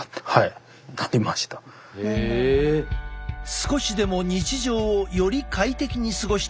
少しでも日常をより快適に過ごしてもらいたい。